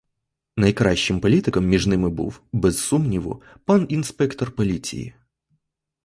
Найкращим політиком між ними був, без сумніву, пан інспектор поліції.